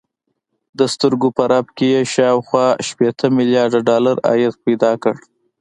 د سترګو په رپ کې يې شاوخوا شپېته ميليارده ډالر عايد پيدا کړ.